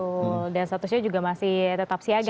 betul dan statusnya juga masih tetap siaga